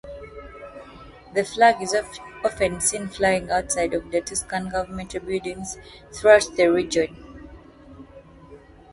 The flag is often seen flying outside of Tuscan governmental buildings throughout the region.